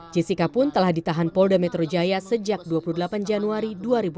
jessica pun telah ditahan polda metro jaya sejak dua puluh delapan januari